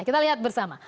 kita lihat bersama